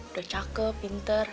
udah cakep pinter